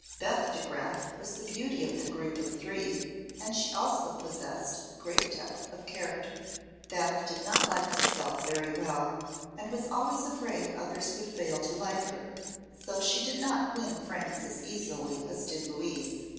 Beth DeGraf was the beauty of the group of three, and she also possessed great depth of character. Beth did not like herself very well, and was always afraid others would fail to like her, so she did not win friends as easily as did Louise.